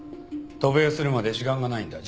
渡米するまで時間がないんだ。